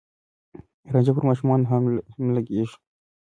رانجه پر ماشومانو هم لګېږي.